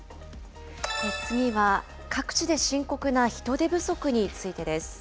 次は各地で深刻な人手不足についてです。